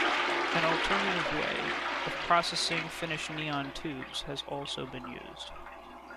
An alternative way of processing finished neon tubes has also been used.